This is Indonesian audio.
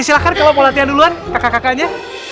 ya silahkan kalo mau latihan duluan kakak kakaknya